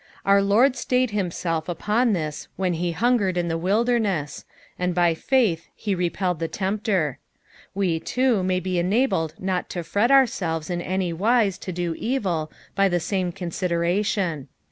Our Lord stayed himself upon this when he hungered in the wilderness, and by feith be repelled the tempter; we too may be enabled not to fret ourselves in any wise to do evil by the same consideration.